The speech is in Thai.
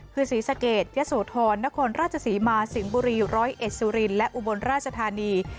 คือศรีสเกตยัสโธรนครราชสีมาสิงบุรีร้อยเอชสุรินและอุบลราชธานี